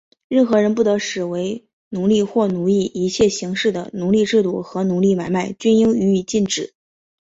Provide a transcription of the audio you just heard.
任何人不得使为奴隶或奴役;一切形式的奴隶制度和奴隶买卖,均应予以禁止。